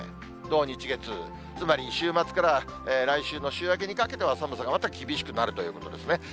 土、日、月、つまり週末から来週の週明けにかけては、寒さがまた厳しくなるということですね。